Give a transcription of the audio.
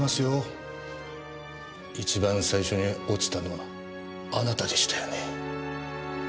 一番最初に落ちたのあなたでしたよね。